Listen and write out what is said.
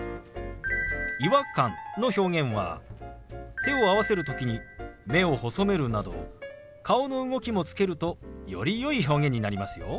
「違和感」の表現は手を合わせる時に目を細めるなど顔の動きもつけるとよりよい表現になりますよ。